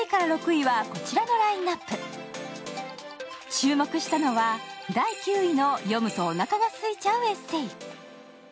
注目したのは第９位の読むとおなかがすいちゃうエッセー。